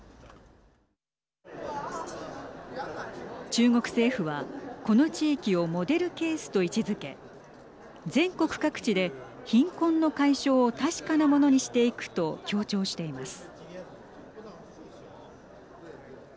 中国政府は、この地域をモデルケースと位置づけ全国各地で、貧困の解消を確かなものにしていくと強調しています。